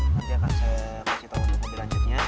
nanti akan saya kasih tau untuk mobil lanjutnya